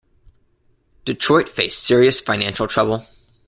Detroit faced serious financial trouble.